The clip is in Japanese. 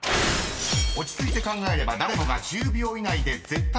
［落ち着いて考えれば誰もが１０秒以内で絶対に解ける問題］